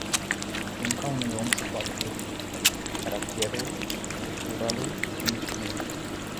Munca unui om se poate plăti. Caracterul, cultura lui, nici gând.